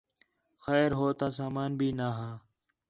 خیر ہو تا سامان بھی نا ہا